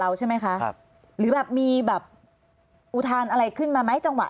ใช่ไหมคะครับหรือแบบมีแบบอุทานอะไรขึ้นมาไหมจังหวะ